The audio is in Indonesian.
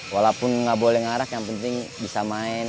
walaupun nggak boleh ngarak yang penting bisa main